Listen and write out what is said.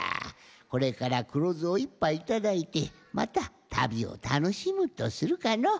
これからくろずを１ぱいいただいてまたたびをたのしむとするかの。